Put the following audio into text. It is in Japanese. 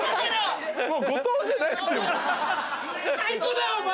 最高だよお前！